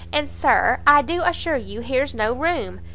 and "Sir, I do assure you here's no room!"